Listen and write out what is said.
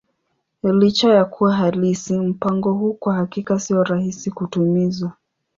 Licha ya kuwa halisi, mpango huu kwa hakika sio rahisi kutimiza.